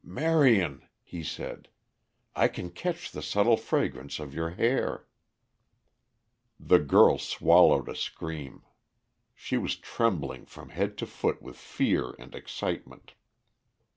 "Marion," he said; "I can catch the subtle fragrance of your hair." The girl swallowed a scream. She was trembling from head to foot with fear and excitement.